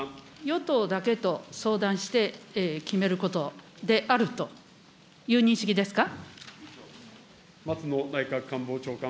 与党だけと相談して決めることであるという認識ですか。